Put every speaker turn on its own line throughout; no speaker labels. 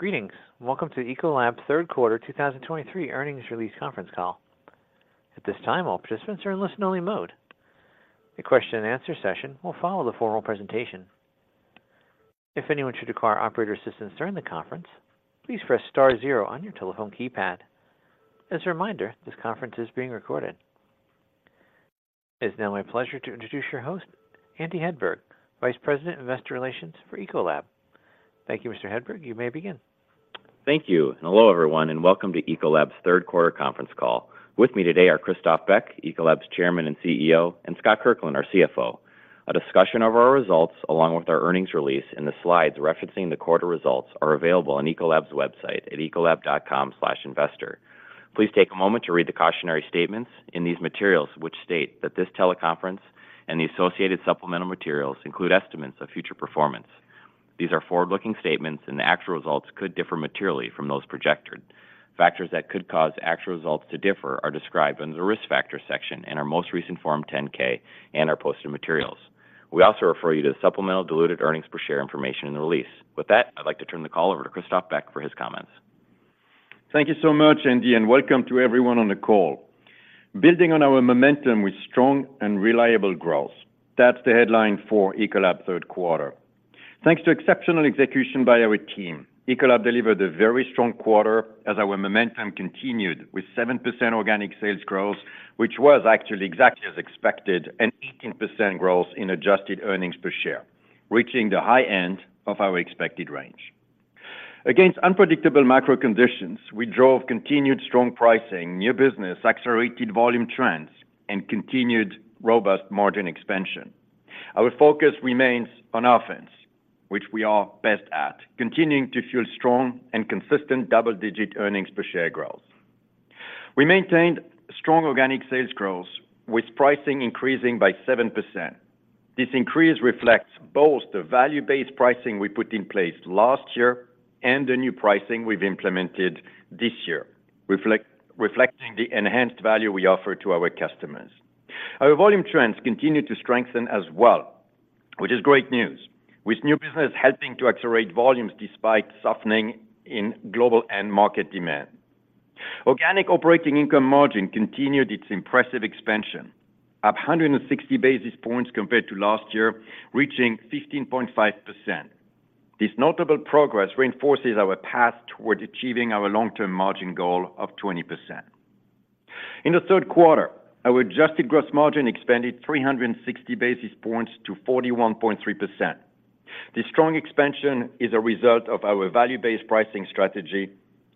Greetings, and welcome to Ecolab's third quarter 2023 earnings release conference call. At this time, all participants are in listen-only mode. A question-and-answer session will follow the formal presentation. If anyone should require operator assistance during the conference, please press star zero on your telephone keypad. As a reminder, this conference is being recorded. It's now my pleasure to introduce your host, Andy Hedberg, Vice President, Investor Relations for Ecolab. Thank you, Mr. Hedberg. You may begin.
Thank you, and hello, everyone, and welcome to Ecolab's third quarter conference call. With me today are Christophe Beck, Ecolab's Chairman and CEO, and Scott Kirkland, our CFO. A discussion of our results, along with our earnings release and the slides referencing the quarter results, are available on Ecolab's website at ecolab.com/investor. Please take a moment to read the cautionary statements in these materials, which state that this teleconference and the associated supplemental materials include estimates of future performance. These are forward-looking statements, and the actual results could differ materially from those projected. Factors that could cause actual results to differ are described in the Risk Factors section in our most recent Form 10-K and our posted materials. We also refer you to the supplemental diluted earnings per share information in the release. With that, I'd like to turn the call over to Christophe Beck for his comments.
Thank you so much, Andy, and welcome to everyone on the call. Building on our momentum with strong and reliable growth, that's the headline for Ecolab third quarter. Thanks to exceptional execution by our team, Ecolab delivered a very strong quarter as our momentum continued, with 7% organic sales growth, which was actually exactly as expected, and 18% growth in adjusted earnings per share, reaching the high end of our expected range. Against unpredictable macro conditions, we drove continued strong pricing, new business, accelerated volume trends, and continued robust margin expansion. Our focus remains on offense, which we are best at, continuing to fuel strong and consistent double-digit earnings per share growth. We maintained strong organic sales growth, with pricing increasing by 7%. This increase reflects both the value-based pricing we put in place last year and the new pricing we've implemented this year, reflecting the enhanced value we offer to our customers. Our volume trends continued to strengthen as well, which is great news, with new business helping to accelerate volumes despite softening in global and market demand. Organic operating income margin continued its impressive expansion, up 160 basis points compared to last year, reaching 15.5%. This notable progress reinforces our path towards achieving our long-term margin goal of 20%. In the third quarter, our adjusted gross margin expanded 360 basis points to 41.3%. This strong expansion is a result of our value-based pricing strategy,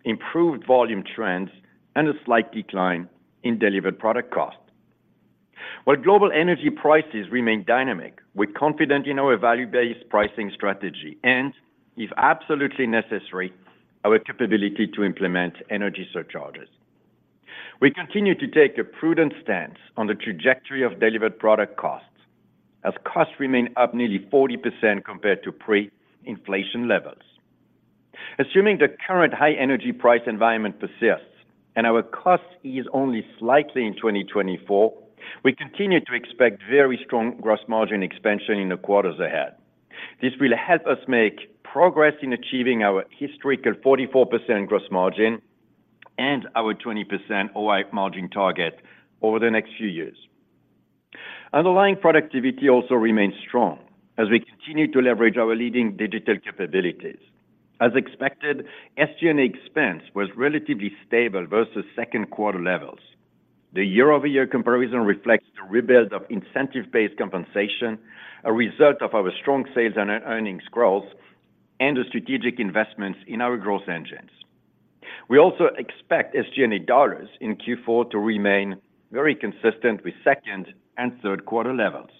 improved volume trends, and a slight decline in Delivered Product Cost. While global energy prices remain dynamic, we're confident in our value-based pricing strategy and, if absolutely necessary, our capability to implement energy surcharges. We continue to take a prudent stance on the trajectory of delivered product costs, as costs remain up nearly 40% compared to pre-inflation levels. Assuming the current high energy price environment persists and our costs ease only slightly in 2024, we continue to expect very strong gross margin expansion in the quarters ahead. This will help us make progress in achieving our historical 44% gross margin and our 20% OI margin target over the next few years. Underlying productivity also remains strong as we continue to leverage our leading digital capabilities. As expected, SG&A expense was relatively stable versus second quarter levels. The year-over-year comparison reflects the rebuild of incentive-based compensation, a result of our strong sales and earnings growth and the strategic investments in our growth engines. We also expect SG&A dollars in Q4 to remain very consistent with second and third quarter levels.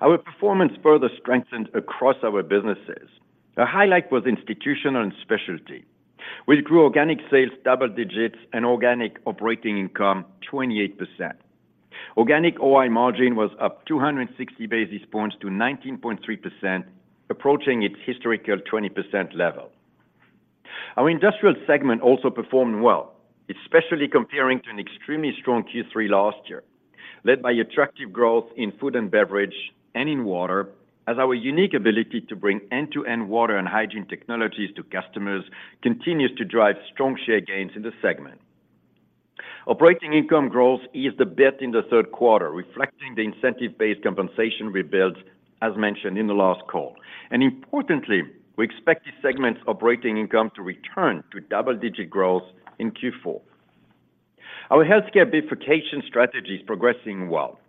Our performance further strengthened across our businesses. A highlight was Institutional and Specialty. We grew organic sales double digits and organic operating income 28%. Organic OI margin was up 260 basis points to 19.3%, approaching its historical 20% level. Our Industrial segment also performed well, especially comparing to an extremely strong Q3 last year, led by attractive growth in Food & Beverage and in Water, as our unique ability to bring end-to-end Water and Hygiene technologies to customers continues to drive strong share gains in the segment. Operating income growth eased a bit in the third quarter, reflecting the incentive-based compensation rebuild, as mentioned in the last call. Importantly, we expect this segment's operating income to return to double-digit growth in Q4. Our Healthcare bifurcation strategy is progressing well.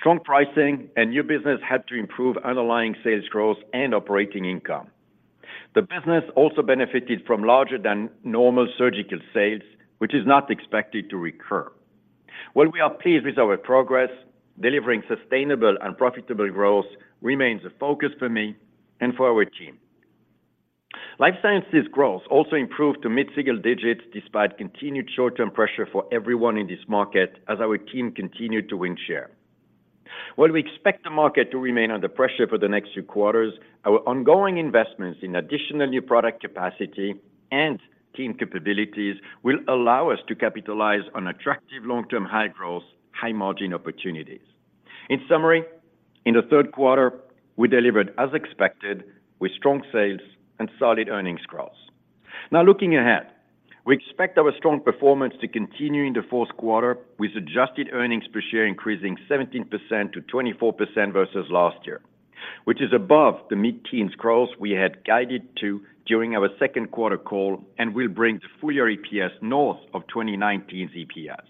Strong pricing and new business helped to improve underlying sales growth and operating income. The business also benefited from larger than normal surgical sales, which is not expected to recur. While we are pleased with our progress, delivering sustainable and profitable growth remains a focus for me and for our team. Life Sciences growth also improved to mid-single digits despite continued short-term pressure for everyone in this market, as our team continued to win share. While we expect the market to remain under pressure for the next few quarters, our ongoing investments in additional new product capacity and team capabilities will allow us to capitalize on attractive long-term, high-growth, high-margin opportunities. In summary. In the third quarter, we delivered as expected with strong sales and solid earnings growth. Now, looking ahead, we expect our strong performance to continue in the fourth quarter, with adjusted earnings per share increasing 17%-24% versus last year, which is above the mid-teens growth we had guided to during our second quarter call and will bring the full-year EPS north of 2019's EPS.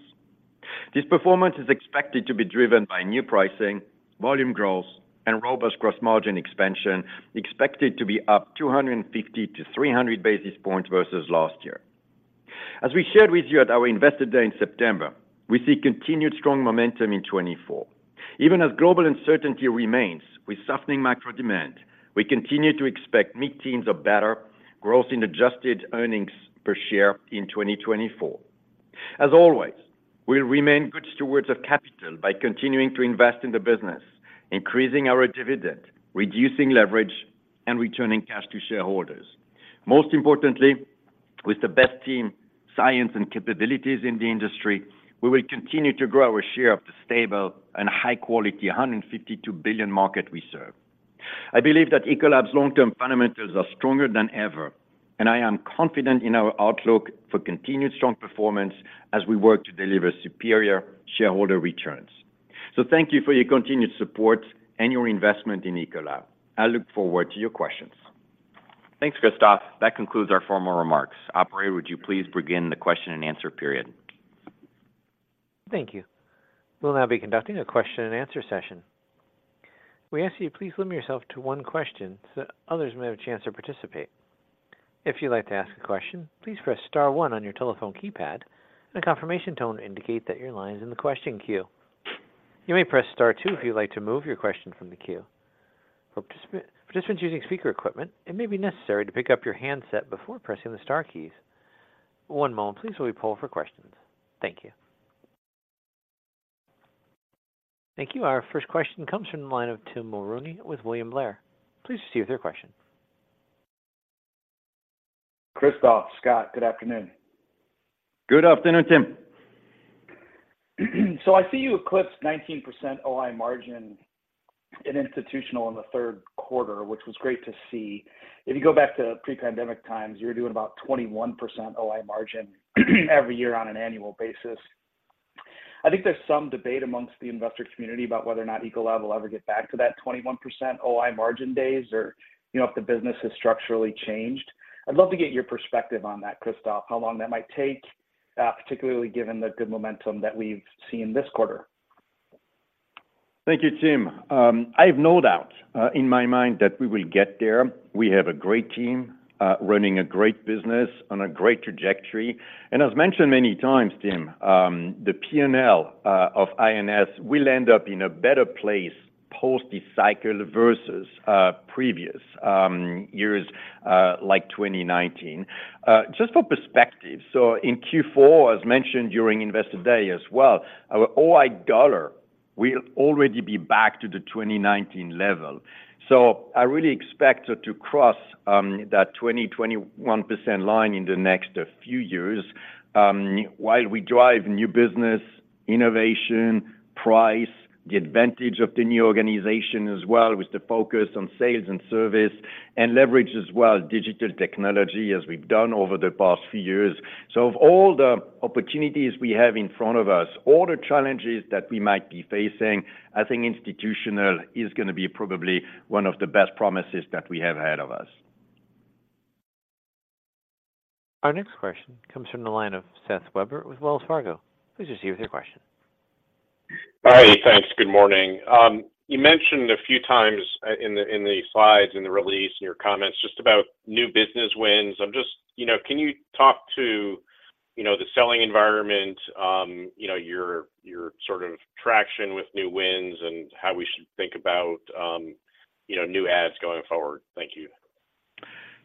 This performance is expected to be driven by new pricing, volume growth, and robust gross margin expansion, expected to be up 250-300 basis points versus last year. As we shared with you at our Investor Day in September, we see continued strong momentum in 2024. Even as global uncertainty remains with softening macro demand, we continue to expect mid-teens or better growth in adjusted earnings per share in 2024. As always, we'll remain good stewards of capital by continuing to invest in the business, increasing our dividend, reducing leverage, and returning cash to shareholders. Most importantly, with the best team, science, and capabilities in the industry, we will continue to grow our share of the stable and high-quality $152 billion market we serve. I believe that Ecolab's long-term fundamentals are stronger than ever, and I am confident in our outlook for continued strong performance as we work to deliver superior shareholder returns. So thank you for your continued support and your investment in Ecolab. I look forward to your questions.
Thanks, Christophe. That concludes our formal remarks. Operator, would you please begin the question-and-answer period?
Thank you. We'll now be conducting a question-and-answer session. We ask you to please limit yourself to one question, so others may have a chance to participate. If you'd like to ask a question, please press star one on your telephone keypad, and a confirmation tone indicate that your line is in the question queue. You may press star two if you'd like to move your question from the queue. For participants using speaker equipment, it may be necessary to pick up your handset before pressing the star keys. One moment please, while we poll for questions. Thank you. Thank you. Our first question comes from the line of Tim Mulrooney with William Blair. Please proceed with your question.
Christophe, Scott, good afternoon.
Good afternoon, Tim.
So I see you eclipsed 19% OI margin in Institutional in the third quarter, which was great to see. If you go back to pre-pandemic times, you were doing about 21% OI margin every year on an annual basis. I think there's some debate amongst the investor community about whether or not Ecolab will ever get back to that 21% OI margin days or, you know, if the business has structurally changed. I'd love to get your perspective on that, Christophe, how long that might take, particularly given the good momentum that we've seen this quarter.
Thank you, Tim. I have no doubt in my mind that we will get there. We have a great team running a great business on a great trajectory, and as mentioned many times, Tim, the P&L of INS will end up in a better place post this cycle versus previous years like 2019. Just for perspective, so in Q4, as mentioned during Investor Day as well, our OI dollar will already be back to the 2019 level. So I really expect it to cross that 20-21% line in the next few years while we drive new business, innovation, price, the advantage of the new organization as well, with the focus on sales and service, and leverage as well, digital technology, as we've done over the past few years. Of all the opportunities we have in front of us, all the challenges that we might be facing, I think Institutional is gonna be probably one of the best promises that we have ahead of us.
Our next question comes from the line of Seth Weber with Wells Fargo. Please proceed with your question.
Hi. Thanks. Good morning. You mentioned a few times in the slides, in the release, in your comments, just about new business wins. I'm just... You know, can you talk to, you know, the selling environment, you know, your, your sort of traction with new wins and how we should think about, you know, new adds going forward? Thank you.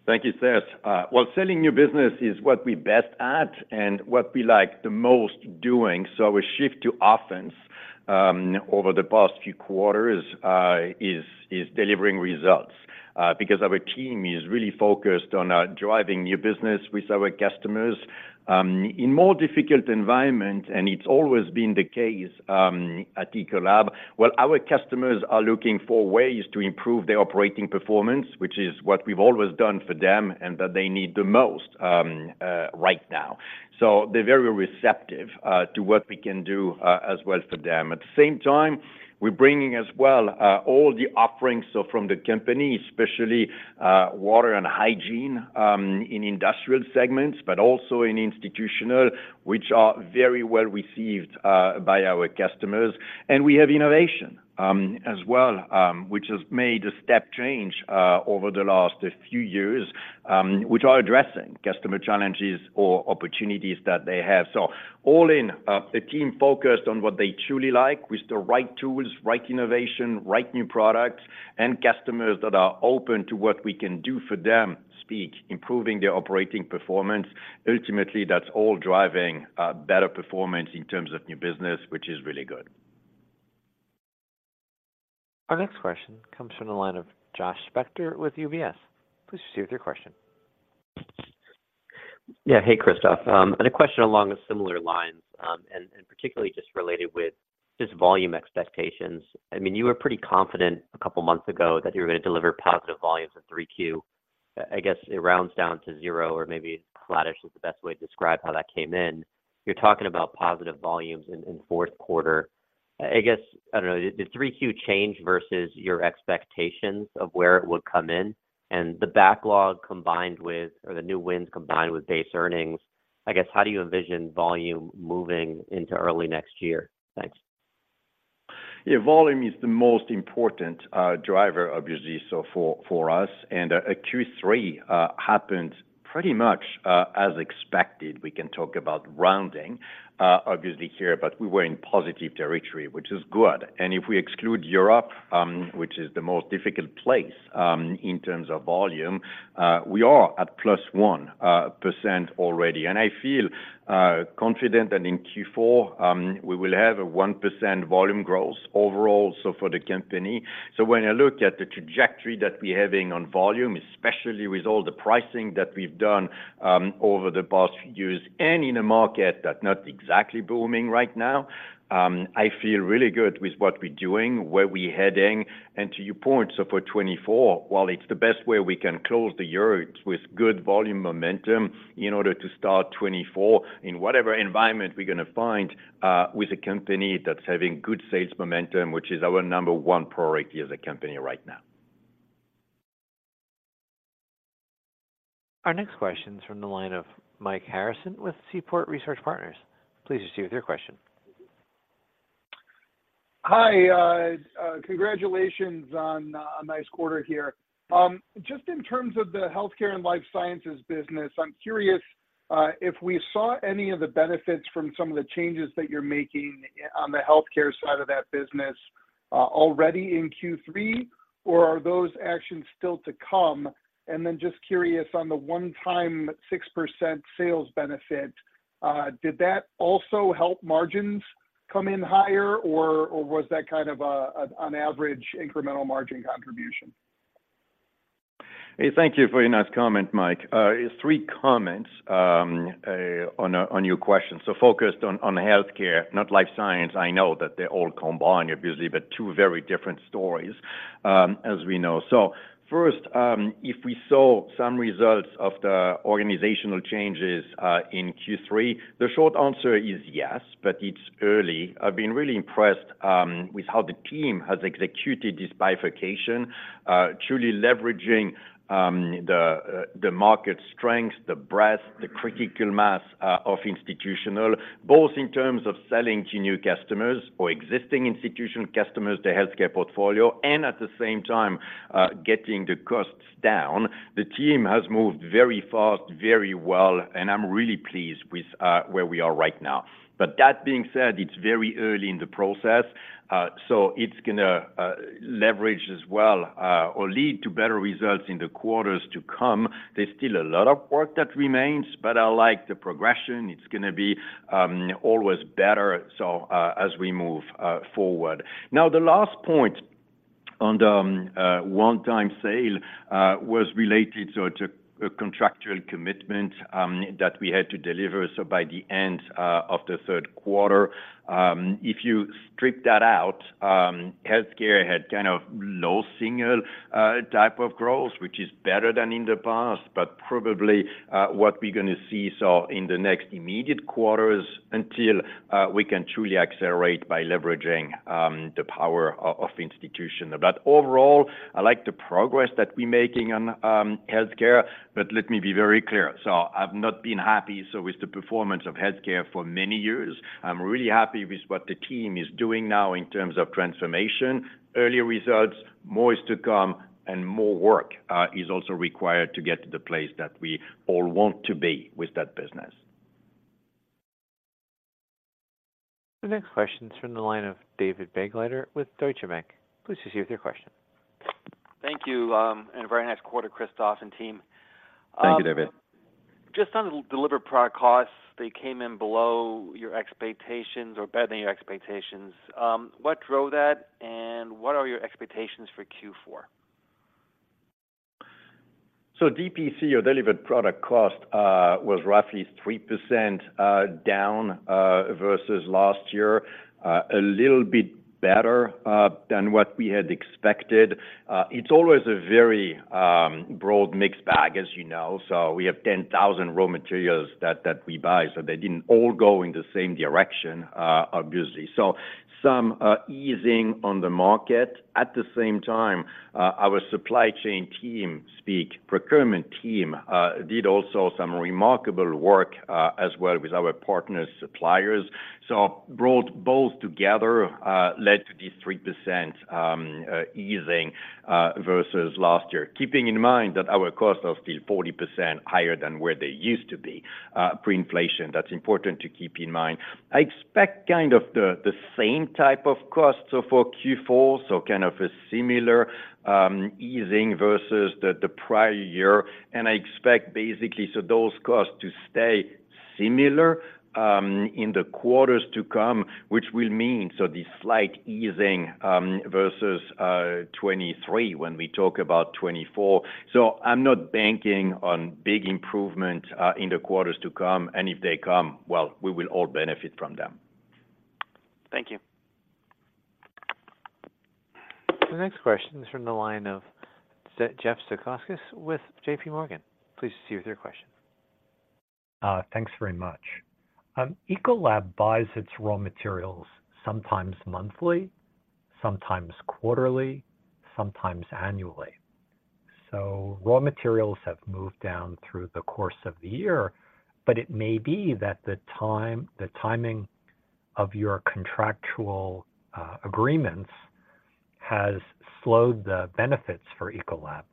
Thank you, Seth. Well, selling new business is what we're best at and what we like the most doing. So our shift to offense over the past few quarters is delivering results because our team is really focused on driving new business with our customers in more difficult environment, and it's always been the case at Ecolab. Well, our customers are looking for ways to improve their operating performance, which is what we've always done for them, and that they need the most right now. So they're very receptive to what we can do as well for them. At the same time, we're bringing as well all the offerings, so from the company, especially water and hygiene in Industrial segments, but also in Institutional, which are very well received by our customers. We have innovation, as well, which has made a step change over the last few years, which are addressing customer challenges or opportunities that they have. All in, a team focused on what they truly like with the right tools, right innovation, right new products, and customers that are open to what we can do for them, speak improving their operating performance. Ultimately, that's all driving better performance in terms of new business, which is really good.
Our next question comes from the line of Josh Spector with UBS. Please proceed with your question....
Yeah. Hey, Christophe. And a question along similar lines, and particularly just related with just volume expectations. I mean, you were pretty confident a couple of months ago that you were gonna deliver positive volumes in 3Q. I guess it rounds down to zero, or maybe flattish is the best way to describe how that came in. You're talking about positive volumes in fourth quarter. I guess, I don't know, did 3Q change versus your expectations of where it would come in? And the backlog combined with, or the new wins, combined with base earnings, I guess, how do you envision volume moving into early next year? Thanks.
Yeah, volume is the most important driver, obviously, so for us. Q3 happened pretty much as expected. We can talk about rounding, obviously here, but we were in positive territory, which is good. If we exclude Europe, which is the most difficult place in terms of volume, we are at +1% already. I feel confident that in Q4, we will have a 1% volume growth overall, so for the company. So when I look at the trajectory that we're having on volume, especially with all the pricing that we've done over the past years, and in a market that not exactly booming right now, I feel really good with what we're doing, where we're heading. To your point, so for 2024, while it's the best way we can close the year with good volume momentum in order to start 2024 in whatever environment we're gonna find, with a company that's having good sales momentum, which is our number one priority as a company right now.
Our next question is from the line of Mike Harrison with Seaport Research Partners. Please proceed with your question.
Hi, congratulations on a nice quarter here. Just in terms of the Healthcare and Life Sciences business, I'm curious if we saw any of the benefits from some of the changes that you're making on the healthcare side of that business already in Q3, or are those actions still to come? And then just curious on the one-time 6% sales benefit, did that also help margins come in higher, or was that kind of an on average incremental margin contribution?
Hey, thank you for your nice comment, Mike. It's three comments on your question. So focused on Healthcare, not Life Science. I know that they all combine, obviously, but two very different stories, as we know. So first, if we saw some results of the organizational changes in Q3, the short answer is yes, but it's early. I've been really impressed with how the team has executed this bifurcation, truly leveraging the market strength, the breadth, the critical mass of institutional, both in terms of selling to new customers or existing institutional customers, the Healthcare portfolio, and at the same time, getting the costs down. The team has moved very fast, very well, and I'm really pleased with where we are right now. But that being said, it's very early in the process, so it's gonna leverage as well, or lead to better results in the quarters to come. There's still a lot of work that remains, but I like the progression. It's gonna be always better, so, as we move forward. Now, the last point on the one-time sale was related to a contractual commitment that we had to deliver, so by the end of the third quarter. If you strip that out, healthcare had kind of low single type of growth, which is better than in the past, but probably what we're gonna see, so in the next immediate quarters until we can truly accelerate by leveraging the power of institution. But overall, I like the progress that we're making on Healthcare, but let me be very clear: So I've not been happy with the performance of Healthcare for many years. I'm really happy with what the team is doing now in terms of transformation. Early results, more is to come, and more work is also required to get to the place that we all want to be with that business.
The next question is from the line of David Begleiter with Deutsche Bank. Please proceed with your question.
Thank you, and a very nice quarter, Christophe and team.
Thank you, David.
Just on the delivered product costs, they came in below your expectations or better than your expectations. What drove that, and what are your expectations for Q4?
So DPC, or Delivered Product Cost, was roughly 3% down versus last year. A little bit better than what we had expected. It's always a very broad mixed bag, as you know. So we have 10,000 raw materials that we buy, so they didn't all go in the same direction, obviously. So some easing on the market. At the same time, our supply chain team, specifically procurement team, did also some remarkable work as well with our partner suppliers. So brought both together led to this 3% easing versus last year. Keeping in mind that our costs are still 40% higher than where they used to be pre-inflation. That's important to keep in mind. I expect kind of the same type of costs, so for Q4, so kind of a similar easing versus the prior year. And I expect basically, so those costs to stay similar in the quarters to come, which will mean so the slight easing versus 2023 when we talk about 2024. So I'm not banking on big improvement in the quarters to come, and if they come, well, we will all benefit from them.
Thank you.
The next question is from the line of Jeff Zekauskas with JPMorgan. Please proceed with your question.
Thanks very much. Ecolab buys its raw materials sometimes monthly, sometimes quarterly, sometimes annually. So raw materials have moved down through the course of the year, but it may be that the timing of your contractual agreements has slowed the benefits for Ecolab.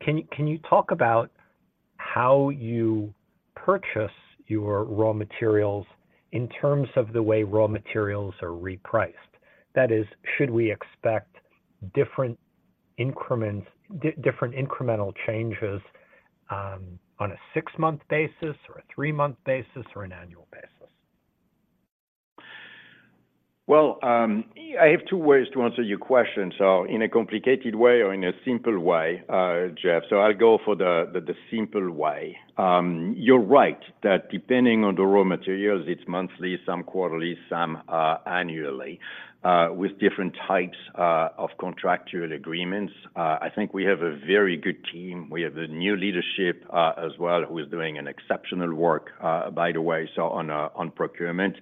Can you talk about how you purchase your raw materials in terms of the way raw materials are repriced? That is, should we expect different incremental changes on a six-month basis, or a three-month basis, or an annual basis?
Well, I have two ways to answer your question. So in a complicated way or in a simple way, Jeff. So I'll go for the simple way. You're right, that depending on the raw materials, it's monthly, some quarterly, some annually, with different types of contractual agreements. I think we have a very good team. We have a new leadership as well, who is doing an exceptional work, by the way, so on procurement.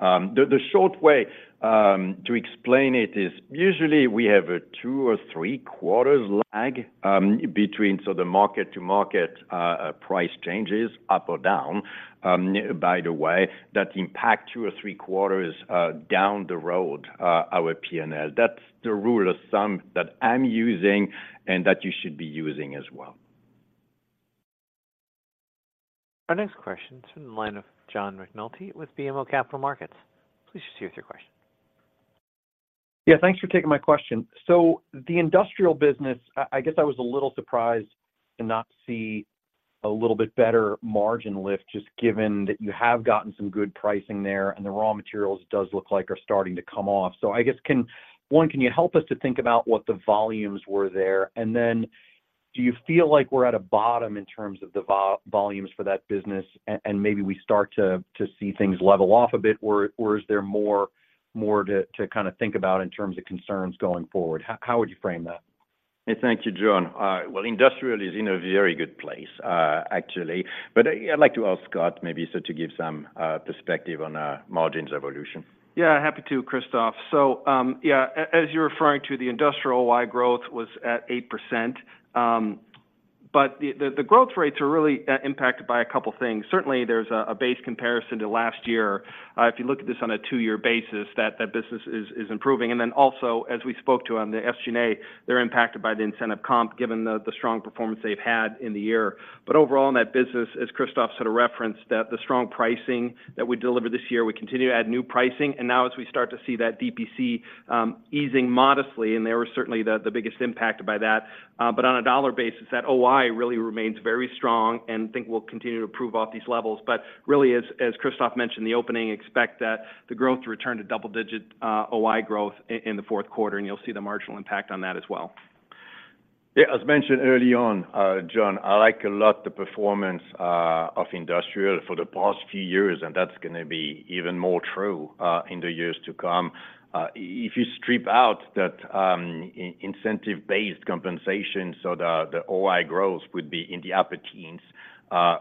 The short way to explain it is usually we have a two or three quarters lag between, so the mark-to-market price changes, up or down, by the way, that impact two or three quarters down the road our P&L. That's the rule of thumb that I'm using and that you should be using as well.
Our next question is from the line of John McNulty with BMO Capital Markets. Please proceed with your question.
Yeah, thanks for taking my question. So the industrial business, I guess I was a little surprised to not see a little bit better margin lift, just given that you have gotten some good pricing there, and the raw materials does look like are starting to come off. So I guess can—one, can you help us to think about what the volumes were there? And then do you feel like we're at a bottom in terms of the volumes for that business, and maybe we start to see things level off a bit, or is there more to kinda think about in terms of concerns going forward? How would you frame that?
Hey, thank you, John. Well, industrial is in a very good place, actually. But I'd like to ask Scott, maybe, so to give some perspective on margins evolution.
Yeah, happy to, Christophe. So, yeah, as you're referring to, the industrial-wide growth was at 8%, but the growth rates are really impacted by a couple things. Certainly, there's a base comparison to last year. If you look at this on a two-year basis, that business is improving. And then also, as we spoke to on the SG&A, they're impacted by the incentive comp, given the strong performance they've had in the year. But overall, in that business, as Christophe sort of referenced, that the strong pricing that we delivered this year, we continue to add new pricing. And now as we start to see that DPC easing modestly, and they were certainly the, the biggest impact by that, but on a dollar basis, that OI really remains very strong and think we'll continue to improve off these levels. But really, as, as Christophe mentioned, the opening, expect that the growth to return to double digit OI growth in the fourth quarter, and you'll see the marginal impact on that as well.
Yeah, as mentioned early on, John, I like a lot the performance of industrial for the past few years, and that's gonna be even more true in the years to come. If you strip out that incentive-based compensation, so the OI growth would be in the upper teens,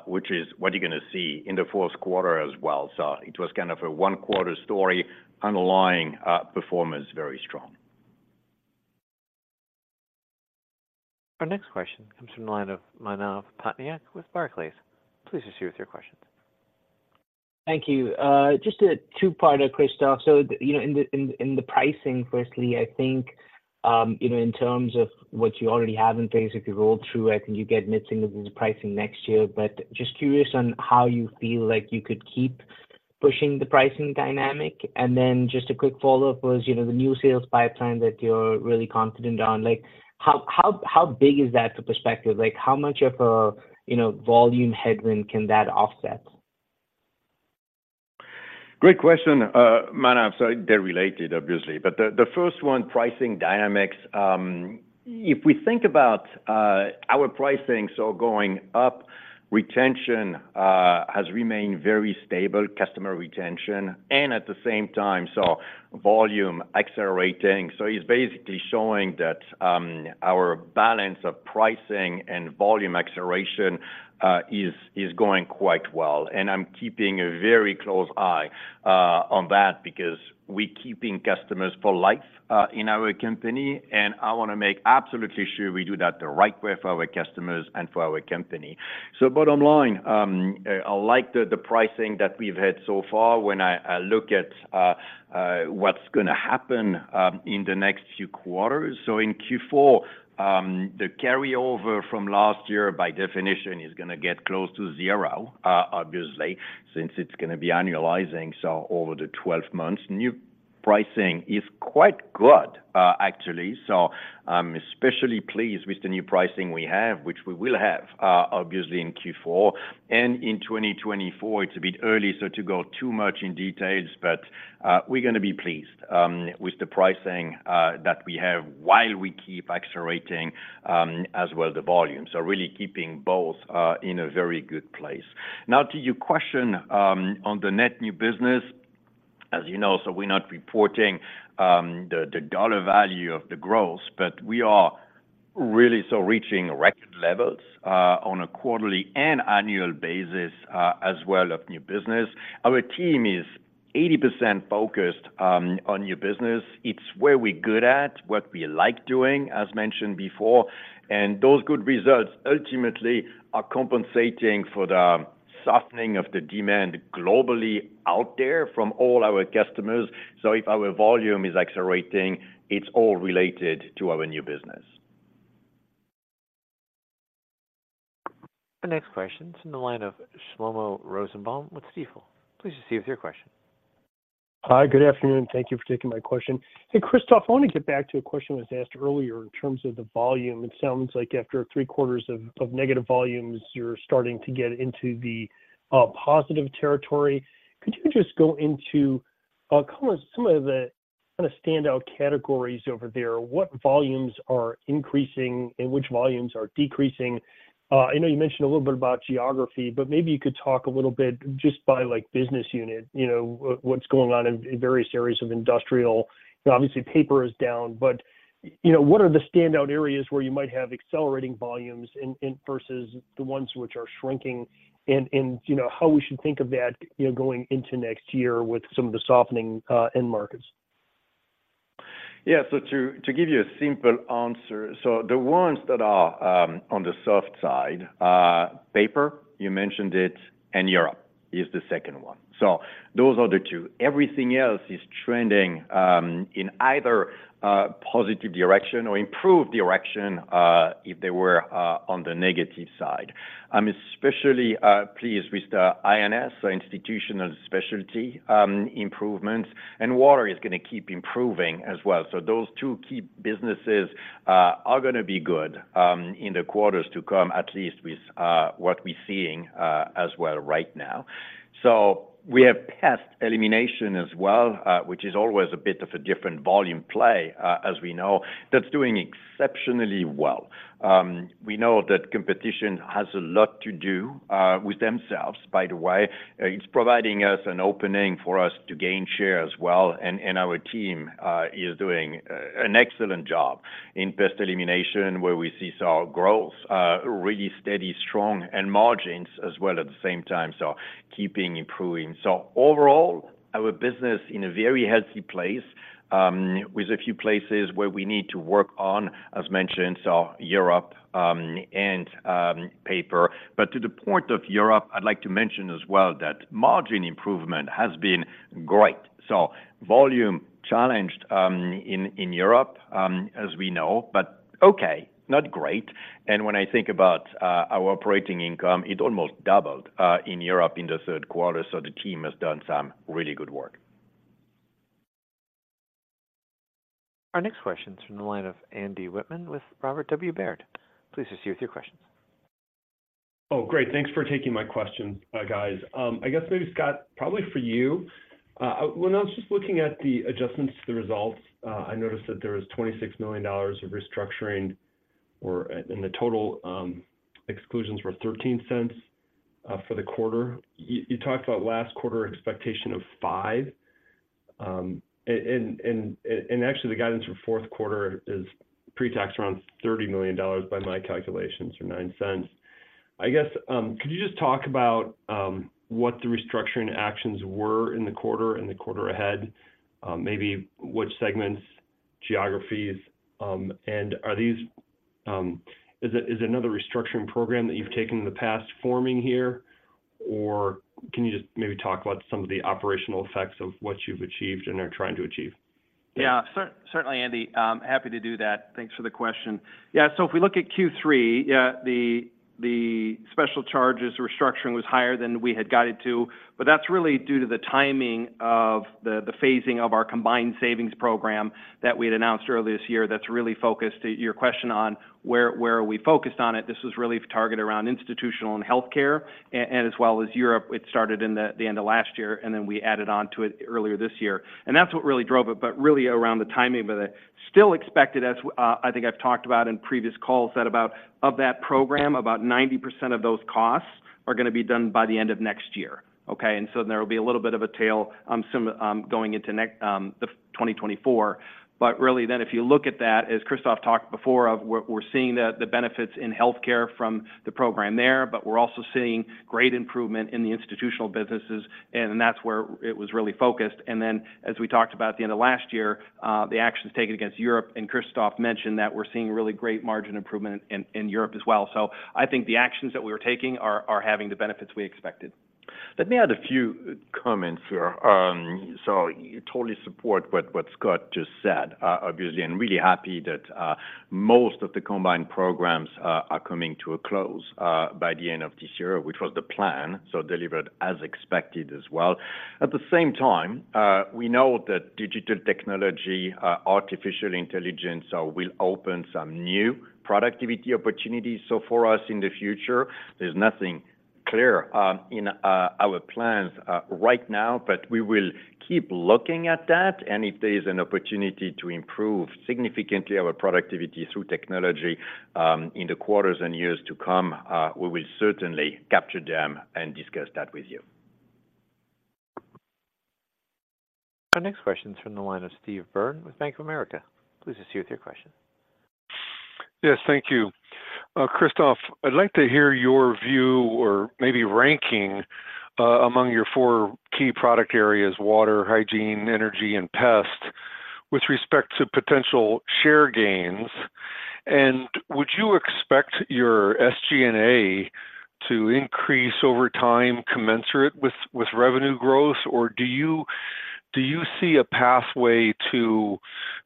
which is what you're gonna see in the fourth quarter as well. So it was kind of a one-quarter story, underlying performance, very strong.
Our next question comes from the line of Manav Patnaik with Barclays. Please proceed with your questions.
Thank you. Just a two-parter, Christophe. So, you know, in the pricing, firstly, I think, you know, in terms of what you already have in place, if you roll through it, and you get mixing of the pricing next year, but just curious on how you feel like you could keep pushing the pricing dynamic. And then just a quick follow-up was, you know, the new sales pipeline that you're really confident on, like, how big is that to perspective? Like, how much of a, you know, volume headwind can that offset?
Great question, Manav. So they're related, obviously. But the first one, pricing dynamics, if we think about our pricing, so going up, retention has remained very stable, customer retention, and at the same time, so volume accelerating. So it's basically showing that our balance of pricing and volume acceleration is going quite well. And I'm keeping a very close eye on that because we're keeping customers for life in our company, and I wanna make absolutely sure we do that the right way for our customers and for our company. So bottom line, I like the pricing that we've had so far when I look at what's gonna happen in the next few quarters. So in Q4, the carryover from last year, by definition, is gonna get close to zero, obviously, since it's gonna be annualizing, so over the 12 months, new pricing is quite good, actually. So I'm especially pleased with the new pricing we have, which we will have, obviously, in Q4 and in 2024. It's a bit early, so to go too much in details, but we're gonna be pleased with the pricing that we have while we keep accelerating, as well, the volume. So really keeping both in a very good place. Now, to your question on the net new business, as you know, so we're not reporting the dollar value of the growth, but we are really so reaching record levels on a quarterly and annual basis, as well of new business. Our team is 80% focused on new business. It's where we're good at, what we like doing, as mentioned before, and those good results ultimately are compensating for the softening of the demand globally out there from all our customers. So if our volume is accelerating, it's all related to our new business.
The next question is in the line of Shlomo Rosenbaum with Stifel. Please proceed with your question.
Hi, good afternoon, and thank you for taking my question. Hey, Christophe, I want to get back to a question that was asked earlier in terms of the volume. It sounds like after three quarters of negative volumes, you're starting to get into the positive territory. Could you just go into kind of some of the kinda standout categories over there? What volumes are increasing, and which volumes are decreasing? I know you mentioned a little bit about geography, but maybe you could talk a little bit just by, like, business unit, you know, what's going on in various areas of industrial. Obviously, Paper is down, but, you know, what are the standout areas where you might have accelerating volumes in versus the ones which are shrinking and, you know, how we should think of that, you know, going into next year with some of the softening end markets?
Yeah. So to, to give you a simple answer, so the ones that are, on the soft side, Paper, you mentioned it, and Europe is the second one. So those are the two. Everything else is trending, in either, positive direction or improved direction, if they were, on the negative side. I'm especially, pleased with the INS, so Institutional Specialty, improvements, and water is gonna keep improving as well. So those two key businesses, are gonna be good, in the quarters to come, at least with, what we're seeing, as well right now. So we have Pest Elimination as well, which is always a bit of a different volume play, as we know. That's doing exceptionally well. We know that competition has a lot to do, with themselves, by the way. It's providing us an opening for us to gain share as well, and our team is doing an excellent job in Pest Elimination, where we see our growth really steady, strong, and margins as well at the same time, so keeping improving. So overall, our business in a very healthy place, with a few places where we need to work on, as mentioned, so Europe and Paper. But to the point of Europe, I'd like to mention as well that margin improvement has been great. So volume challenged in Europe, as we know, but okay, not great. And when I think about our operating income, it almost doubled in Europe in the third quarter, so the team has done some really good work.
Our next question is from the line of Andy Wittmann with Robert W. Baird. Please proceed with your questions.
Oh, great. Thanks for taking my question, guys. I guess maybe, Scott, probably for you. When I was just looking at the adjustments to the results, I noticed that there was $26 million of restructuring, and the total exclusions were $0.13 for the quarter. You talked about last quarter expectation of $0.05, and actually, the guidance for fourth quarter is pre-tax around $30 million by my calculations, or $0.09. I guess, could you just talk about what the restructuring actions were in the quarter and the quarter ahead? Maybe which segments, geographies, and are these... Is another restructuring program that you've taken in the past forming here, or can you just maybe talk about some of the operational effects of what you've achieved and are trying to achieve?
Yeah, certainly, Andy. Happy to do that. Thanks for the question. Yeah, so if we look at Q3, yeah, the special charges restructuring was higher than we had guided to, but that's really due to the timing of the phasing of our combined savings program that we had announced earlier this year that's really focused to your question on where we are focused on it. This was really targeted around Institutional and Healthcare and as well as Europe. It started in the end of last year, and then we added on to it earlier this year, and that's what really drove it. But really around the timing of it, still expected, as I think I've talked about in previous calls, that about of that program, about 90% of those costs are gonna be done by the end of next year, okay? And so there will be a little bit of a tail, going into next, the 2024. But really, then if you look at that, as Christophe talked before, we're seeing the benefits in Healthcare from the program there, but we're also seeing great improvement in the institutional businesses, and that's where it was really focused. And then, as we talked about at the end of last year, the actions taken against Europe, and Christophe mentioned that we're seeing really great margin improvement in Europe as well. So I think the actions that we are taking are having the benefits we expected. ...
Let me add a few comments here. So I totally support what, what Scott just said, obviously, and really happy that, most of the combined programs are, are coming to a close, by the end of this year, which was the plan, so delivered as expected as well. At the same time, we know that digital technology, artificial intelligence, will open some new productivity opportunities. So for us in the future, there's nothing clear, in, our plans, right now, but we will keep looking at that, and if there is an opportunity to improve significantly our productivity through technology, in the quarters and years to come, we will certainly capture them and discuss that with you.
Our next question is from the line of Steve Byrne with Bank of America. Please proceed with your question.
Yes, thank you. Christophe, I'd like to hear your view or maybe ranking among your four key product areas: water, hygiene, energy, and pest, with respect to potential share gains. And would you expect your SG&A to increase over time, commensurate with revenue growth? Or do you see a pathway to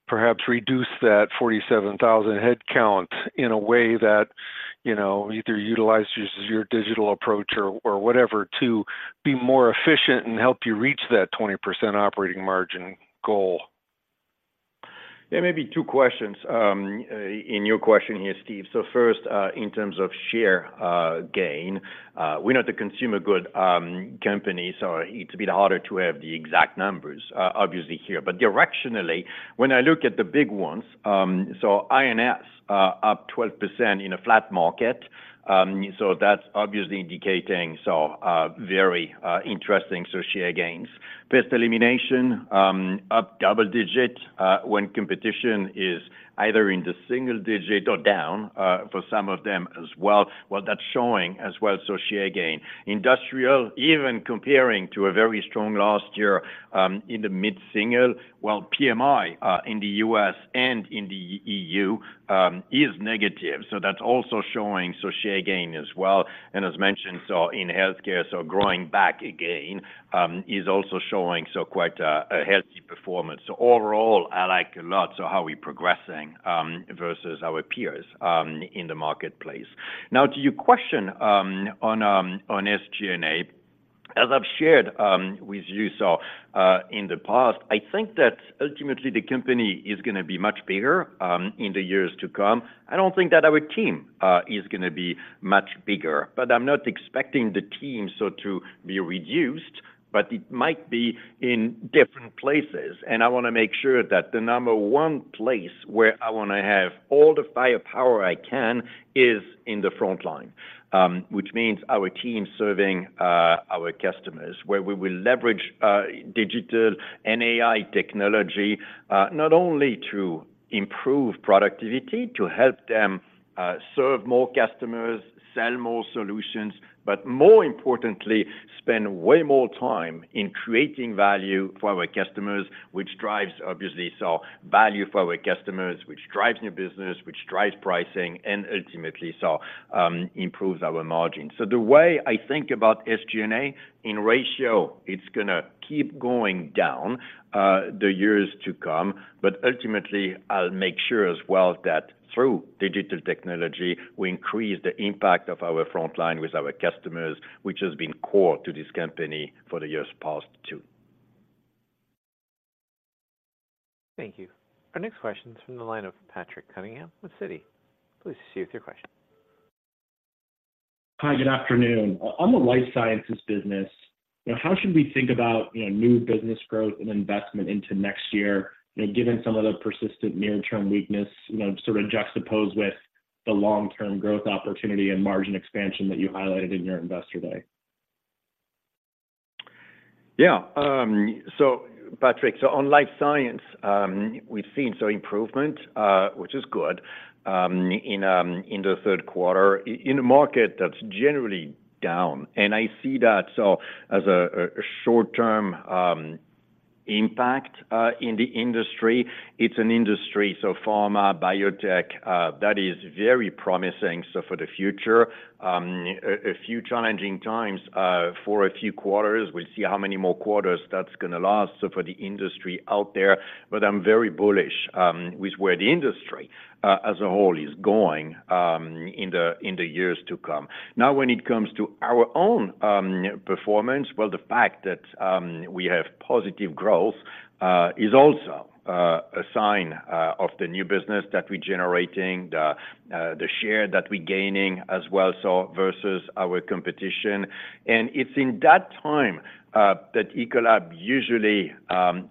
perhaps reduce that 47,000 headcount in a way that, you know, either utilizes your digital approach or whatever, to be more efficient and help you reach that 20% operating margin goal?
There may be two questions in your question here, Steve. So first, in terms of share gain, we're not a consumer good company, so it's a bit harder to have the exact numbers, obviously, here. But directionally, when I look at the big ones, so INS are up 12% in a flat market, so that's obviously indicating so very interesting, so share gains. Pest Elimination up double digit when competition is either in the single digit or down for some of them as well. Well, that's showing as well, so share gain. Industrial, even comparing to a very strong last year, in the mid-single, well, PMI in the U.S. and in the E.U. is negative, so that's also showing, so share gain as well. As mentioned, in Healthcare, growing back again is also showing quite a healthy performance. Overall, I like a lot how we're progressing versus our peers in the marketplace. Now, to your question on SG&A, as I've shared with you in the past, I think that ultimately the company is gonna be much bigger in the years to come. I don't think that our team is gonna be much bigger, but I'm not expecting the team to be reduced, but it might be in different places. I wanna make sure that the number one place where I wanna have all the firepower I can is in the front line, which means our team serving our customers, where we will leverage digital and AI technology, not only to improve productivity, to help them serve more customers, sell more solutions, but more importantly, spend way more time in creating value for our customers, which drives, obviously, value for our customers, which drives new business, which drives pricing, and ultimately improves our margin. So the way I think about SG&A in ratio, it's gonna keep going down the years to come, but ultimately, I'll make sure as well that through digital technology, we increase the impact of our frontline with our customers, which has been core to this company for the years past, too.
Thank you. Our next question is from the line of Patrick Cunningham with Citi. Please proceed with your question.
Hi, good afternoon. On the Life Sciences business, how should we think about, you know, new business growth and investment into next year, you know, given some of the persistent near-term weakness, you know, sort of juxtaposed with the long-term growth opportunity and margin expansion that you highlighted in your Investor Day?
Yeah. So Patrick, so on Life Science, we've seen some improvement, which is good, in the third quarter, in a market that's generally down. And I see that, so as a short-term impact in the industry. It's an industry, so pharma, biotech, that is very promising, so for the future, a few challenging times for a few quarters. We'll see how many more quarters that's gonna last, so for the industry out there. But I'm very bullish with where the industry, as a whole, is going, in the years to come. Now, when it comes to our own performance, well, the fact that we have positive growth is also a sign of the new business that we're generating, the share that we're gaining as well, so versus our competition. And it's in that time that Ecolab usually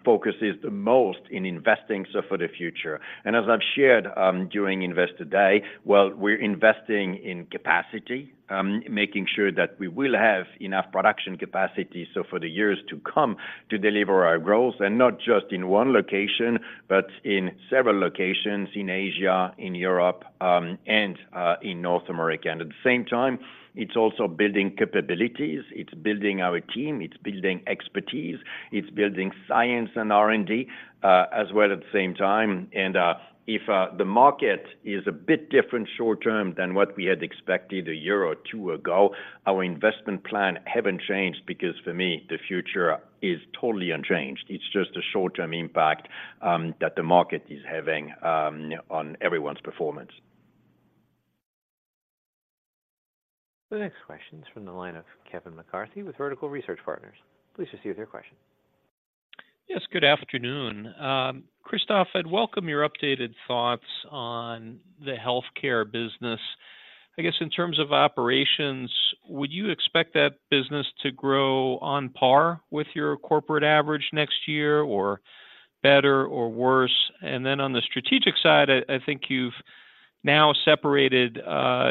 focuses the most in investing, so for the future. And as I've shared during Investor Day, well, we're investing in capacity, making sure that we will have enough production capacity, so for the years to come, to deliver our goals, and not just in one location, but in several locations in Asia, in Europe, and in North America. And at the same time, it's also building capabilities, it's building our team, it's building expertise, it's building science and R&D, as well, at the same time. If the market is a bit different short term than what we had expected a year or two ago, our investment plan haven't changed, because for me, the future is totally unchanged. It's just a short-term impact that the market is having on everyone's performance....
The next question is from the line of Kevin McCarthy with Vertical Research Partners. Please proceed with your question.
Yes, good afternoon. Christophe, I'd welcome your updated thoughts on the Healthcare business. I guess, in terms of operations, would you expect that business to grow on par with your corporate average next year, or better or worse? And then on the strategic side, I, I think you've now separated,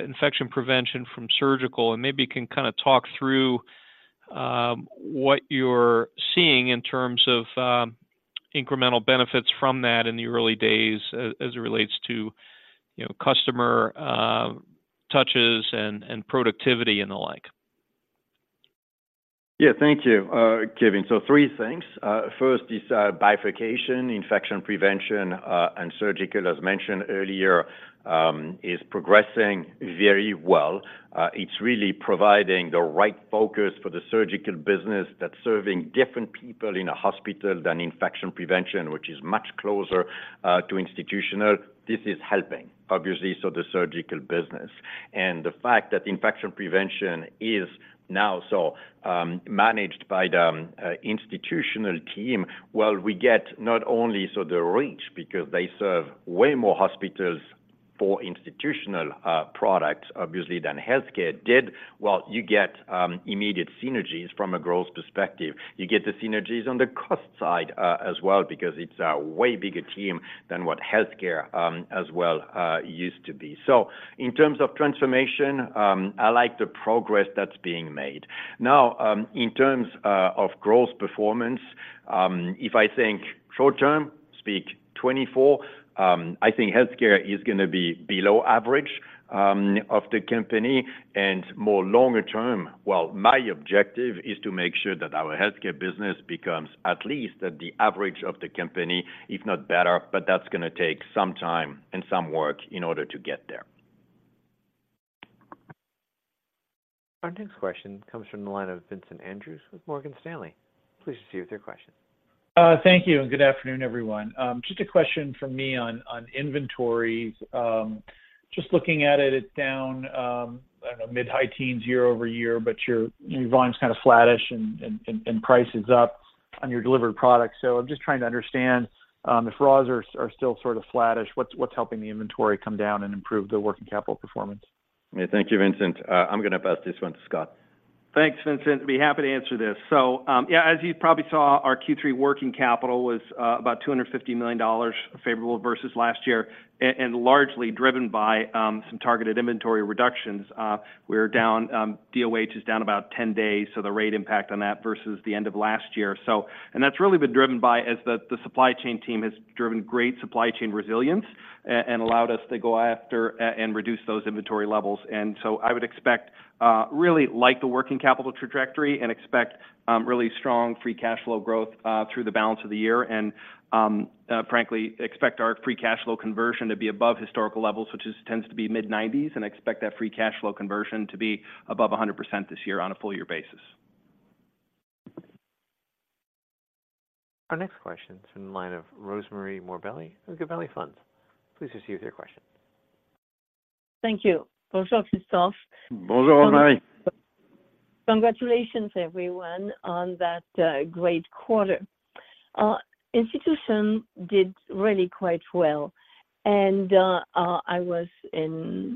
Infection Prevention from surgical, and maybe you can kinda talk through, what you're seeing in terms of, incremental benefits from that in the early days as, as it relates to, you know, customer, touches and, and productivity and the like.
Yeah, thank you, Kevin. So three things: First, this bifurcation, Infection Prevention and surgical, as mentioned earlier, is progressing very well. It's really providing the right focus for the surgical business that's serving different people in a hospital than Infection Prevention, which is much closer to institutional. This is helping, obviously, so the surgical business. And the fact that Infection Prevention is now so managed by the institutional team, well, we get not only so the reach, because they serve way more hospitals for institutional products, obviously, than Healthcare did, well, you get immediate synergies from a growth perspective. You get the synergies on the cost side as well, because it's a way bigger team than what Healthcare as well used to be. So in terms of transformation, I like the progress that's being made. Now, in terms of growth performance, if I think short term, speak 2024, I think Healthcare is gonna be below average of the company, and more longer term, well, my objective is to make sure that our Healthcare business becomes at least at the average of the company, if not better, but that's gonna take some time and some work in order to get there.
Our next question comes from the line of Vincent Andrews with Morgan Stanley. Please proceed with your question.
Thank you, and good afternoon, everyone. Just a question from me on inventories. Just looking at it, it's down, I don't know, mid-high teens year-over-year, but your volume's kinda flattish and price is up on your delivered products. So I'm just trying to understand, if raw are still sort of flattish, what's helping the inventory come down and improve the working capital performance?
Thank you, Vincent. I'm gonna pass this one to Scott.
Thanks, Vincent. Be happy to answer this. So, yeah, as you probably saw, our Q3 working capital was about $250 million favorable versus last year, and largely driven by some targeted inventory reductions. We're down, DOH is down about 10 days, so the rate impact on that versus the end of last year. So, and that's really been driven by as the supply chain team has driven great supply chain resilience, and allowed us to go after and reduce those inventory levels. And so I would expect really like the working capital trajectory and expect really strong free cash flow growth through the balance of the year. Frankly, expect our free cash flow conversion to be above historical levels, which tends to be mid-90s, and expect that free cash flow conversion to be above 100% this year on a full year basis.
Our next question is from the line of Rosemarie Morbelli with Gabelli Funds. Please proceed with your question.
Thank you. Bonjour, Christophe.
Bonjour, Marie.
Congratulations, everyone, on that great quarter. Institutional did really quite well, and I was in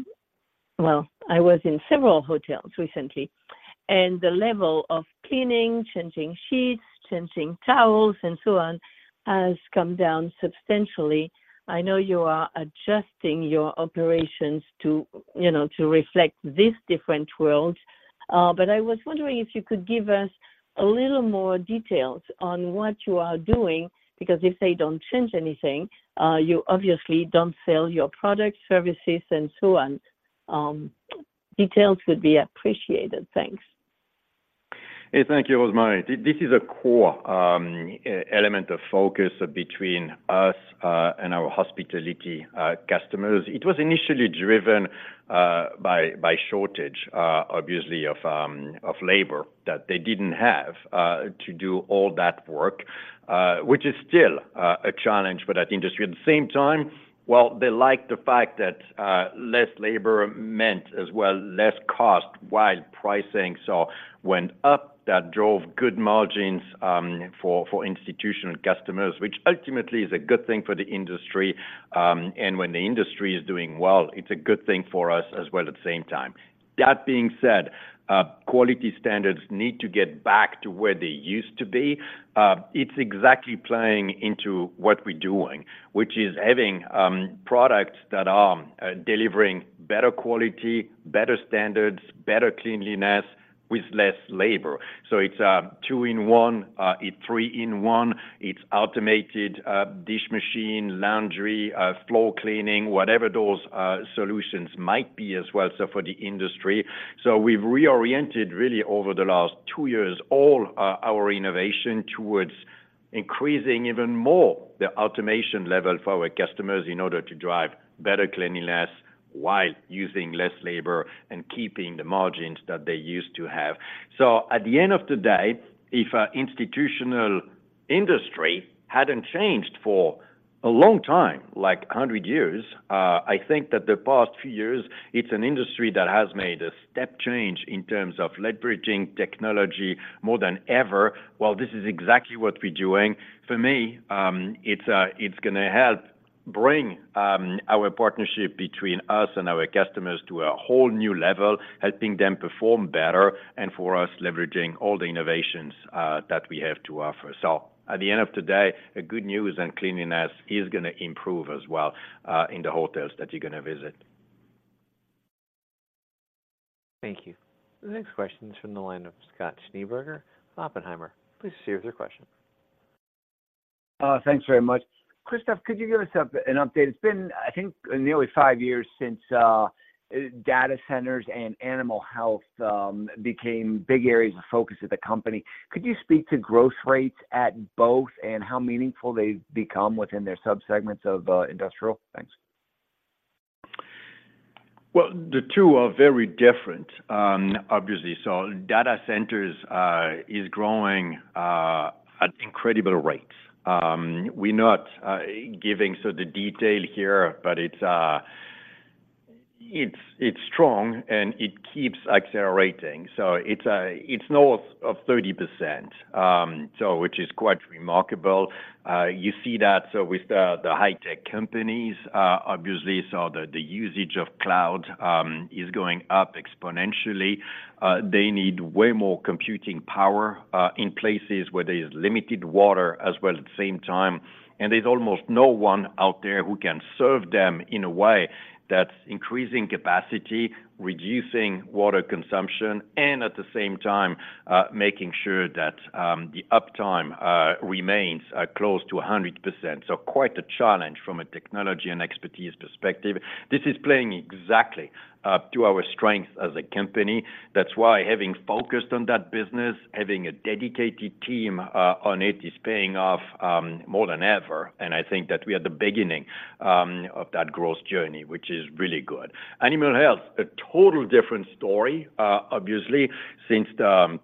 several hotels recently, and the level of cleaning, changing sheets, changing towels, and so on, has come down substantially. I know you are adjusting your operations to, you know, to reflect this different world, but I was wondering if you could give us a little more details on what you are doing, because if they don't change anything, you obviously don't sell your products, services, and so on. Details would be appreciated. Thanks.
Hey, thank you, Rosemarie. This is a core element of focus between us and our hospitality customers. It was initially driven by shortage, obviously, of labor that they didn't have to do all that work, which is still a challenge for that industry. At the same time, well, they like the fact that less labor meant as well less cost, while pricing so went up, that drove good margins for institutional customers, which ultimately is a good thing for the industry, and when the industry is doing well, it's a good thing for us as well at the same time. That being said, quality standards need to get back to where they used to be. It's exactly playing into what we're doing, which is having products that are delivering better quality, better standards, better cleanliness with less labor. So it's a two-in-one, a three-in-one, it's automated dish machine, laundry, floor cleaning, whatever those solutions might be as well, so for the industry. So we've reoriented really over the last two years, all our innovation towards increasing even more the automation level for our customers in order to drive better cleanliness, while using less labor and keeping the margins that they used to have. So at the end of the day, if our industry hadn't changed for a long time, like hundred years. I think that the past few years, it's an industry that has made a step change in terms of leveraging technology more than ever. Well, this is exactly what we're doing. For me, it's gonna help bring our partnership between us and our customers to a whole new level, helping them perform better, and for us, leveraging all the innovations that we have to offer. So at the end of the day, the good news and cleanliness is gonna improve as well, in the hotels that you're gonna visit.
Thank you. The next question is from the line of Scott Schneeberger, Oppenheimer. Please share your question.
Thanks very much. Christophe, could you give us an update? It's been, I think, nearly five years since data centers and animal health became big areas of focus of the company. Could you speak to growth rates at both and how meaningful they've become within their subsegments of Industrial? Thanks.
Well, the two are very different, obviously. So data centers is growing at incredible rates. We're not giving so the detail here, but it's it's strong, and it keeps accelerating. So it's north of 30%, so which is quite remarkable. You see that, so with the high tech companies, obviously, so the usage of cloud is going up exponentially. They need way more computing power in places where there is limited water as well at the same time, and there's almost no one out there who can serve them in a way that's increasing capacity, reducing water consumption, and at the same time making sure that the uptime remains close to 100%. So quite a challenge from a technology and expertise perspective. This is playing exactly to our strength as a company. That's why having focused on that business, having a dedicated team on it, is paying off more than ever, and I think that we are at the beginning of that growth journey, which is really good. Animal Health, a total different story, obviously, since the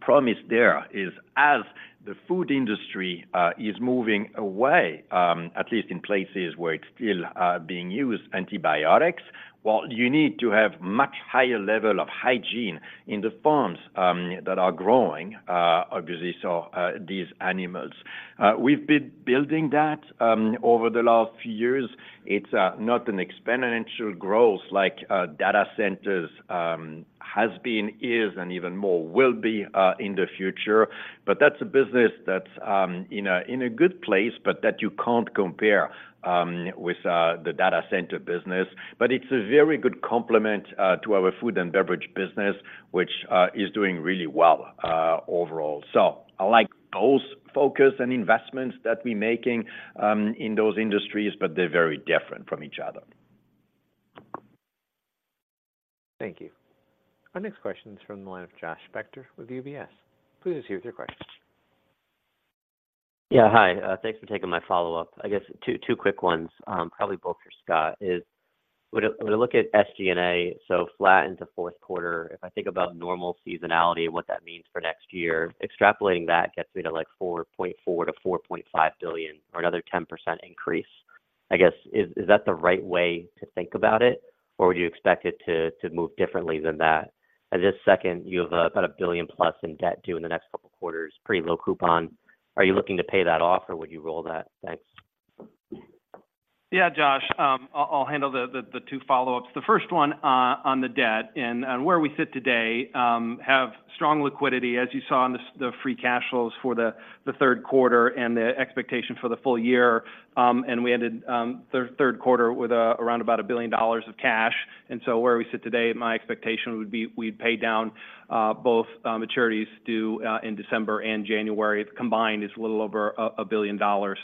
promise there is, as the food industry is moving away, at least in places where it's still being used, antibiotics, while you need to have much higher level of hygiene in the farms that are growing, obviously, so these animals. We've been building that over the last few years. It's not an exponential growth like data centers has been, is, and even more will be in the future, but that's a business that's in a good place, but that you can't compare with the data center business. But it's a very good complement to our food and beverage business, which is doing really well overall. So I like both focus and investments that we making in those industries, but they're very different from each other.
Thank you. Our next question is from the line of Josh Spector with UBS. Please hear your question.
Yeah, hi. Thanks for taking my follow-up. I guess two quick ones, probably both for Scott, when I look at SG&A, so flat into fourth quarter, if I think about normal seasonality and what that means for next year, extrapolating that gets me to, like, $4.4 billion-$4.5 billion, or another 10% increase. I guess, is that the right way to think about it, or would you expect it to move differently than that? And just second, you have about $1 billion+ in debt due in the next couple quarters, pretty low coupon. Are you looking to pay that off, or would you roll that? Thanks.
Yeah, Josh, I'll handle the two follow-ups. The first one, on the debt and where we sit today, have strong liquidity, as you saw in the free cash flows for the third quarter and the expectation for the full year. And we ended third quarter with around $1 billion of cash. And so where we sit today, my expectation would be we'd pay down both maturities due in December and January. Combined, it's a little over $1 billion.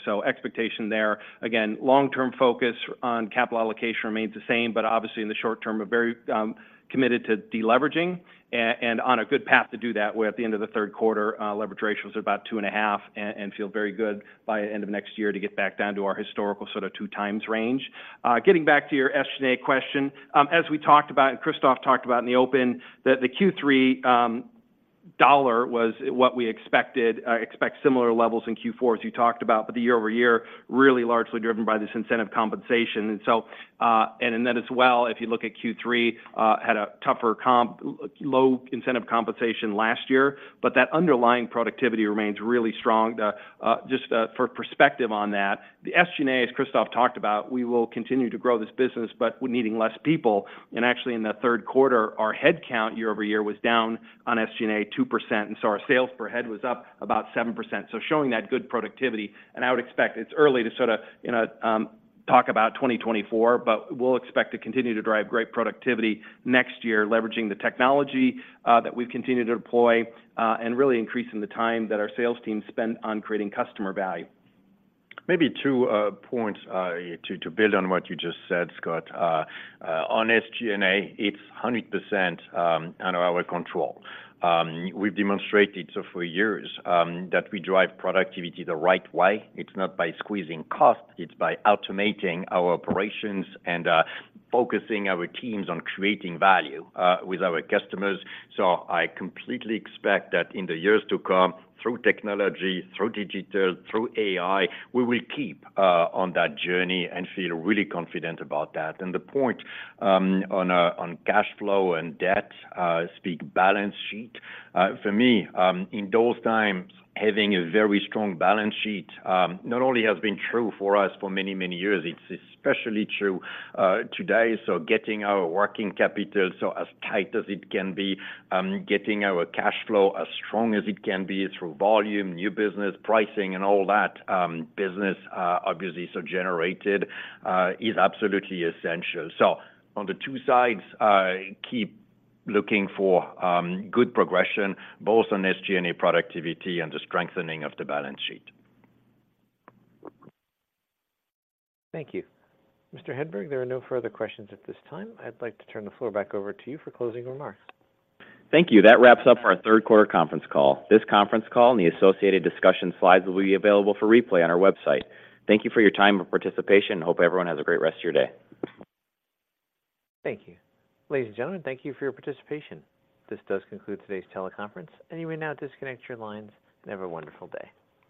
So expectation there, again, long-term focus on capital allocation remains the same, but obviously, in the short term, we're very committed to deleveraging and on a good path to do that, where at the end of the third quarter, leverage ratio was about 2.5 and feel very good by end of next year to get back down to our historical sorta 2x range. Getting back to your SG&A question, as we talked about and Christophe talked about in the open, that the Q3 dollar was what we expected. Expect similar levels in Q4, as you talked about, but the year-over-year, really largely driven by this incentive compensation. So, and then as well, if you look at Q3, had a tougher comp, low incentive compensation last year, but that underlying productivity remains really strong. The, just, for perspective on that, the SG&A, as Christophe talked about, we will continue to grow this business, but we're needing less people. And actually, in the third quarter, our head count year-over-year was down on SG&A 2%, and so our sales per head was up about 7%. So showing that good productivity, and I would expect it's early to sorta, you know, talk about 2024, but we'll expect to continue to drive great productivity next year, leveraging the technology that we've continued to deploy, and really increasing the time that our sales team spent on creating customer value.
Maybe two points to build on what you just said, Scott. On SG&A, it's 100% under our control. We've demonstrated so for years that we drive productivity the right way. It's not by squeezing cost, it's by automating our operations and focusing our teams on creating value with our customers. So I completely expect that in the years to come, through technology, through digital, through AI, we will keep on that journey and feel really confident about that. And the point on cash flow and debt, speak balance sheet. For me, in those times, having a very strong balance sheet not only has been true for us for many, many years, it's especially true today. So getting our working capital so as tight as it can be, getting our cash flow as strong as it can be through volume, new business, pricing and all that, business, obviously, so generated, is absolutely essential. So on the two sides, I keep looking for good progression, both on SG&A productivity and the strengthening of the balance sheet.
Thank you. Mr. Hedberg, there are no further questions at this time. I'd like to turn the floor back over to you for closing remarks.
Thank you. That wraps up our third quarter conference call. This conference call and the associated discussion slides will be available for replay on our website. Thank you for your time and participation, and hope everyone has a great rest of your day.
Thank you. Ladies and gentlemen, thank you for your participation. This does conclude today's teleconference. You may now disconnect your lines, and have a wonderful day.